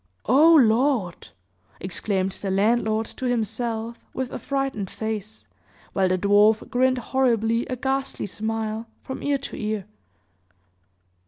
"O Lord!" exclaimed the landlord, to himself, with a frightened face, while the dwarf "grinned horribly a ghastly smile" from ear to ear.